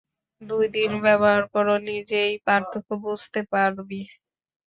দুই দিন ব্যবহার কর, নিজেই পার্থক্য বুঝতে পারবি।